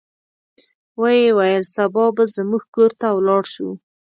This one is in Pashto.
ویې ویل سبا به زموږ کور ته ولاړ شو.